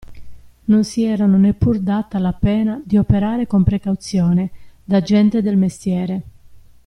Non si erano neppur data la pena di operare con precauzione, da gente del mestiere.